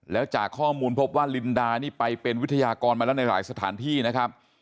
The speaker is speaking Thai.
แล้วจากข้อมูลพบว่าลินดานี่ไปเป็นวิทยากรมาแล้วในหลายสถานที่นะครับ